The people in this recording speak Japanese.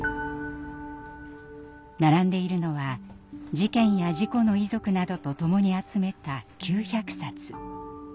並んでいるのは事件や事故の遺族などと共に集めた９００冊。